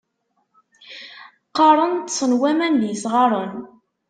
Qqaren ṭsen waman d yisɣaṛen.